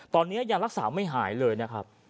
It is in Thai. ตอนนี้ยังรักษาไม่หายเลยนะครับ